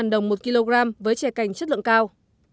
hai trăm linh đồng một kg với chè cành chất lượng cao